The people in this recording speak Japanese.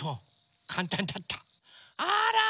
あら。